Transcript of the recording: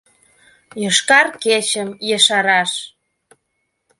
«ЙОШКАР КЕЧЫМ» ЕШАРАШ